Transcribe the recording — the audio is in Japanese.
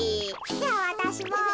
じゃあわたしも。